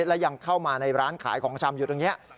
และยังเข้ามาในร้านขายของชำอยู่ตรงนี้